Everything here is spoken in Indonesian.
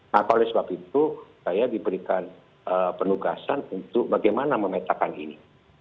nah oleh sebab itu saya diberikan penugasan untuk bagaimana memetakan ini